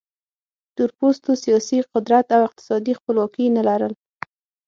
تور پوستو سیاسي قدرت او اقتصادي خپلواکي نه لرل.